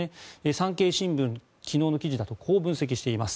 産経新聞、昨日の記事だとこう説明しています。